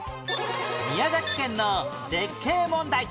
宮崎県の絶景問題